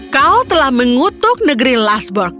kau telah mengutuk negeri lasburg